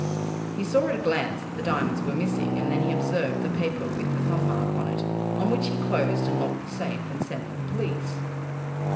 "He saw at a glance that the diamonds were missing, and then he observed the paper with the thumb mark on it, on which he closed and locked the safe and sent for the police."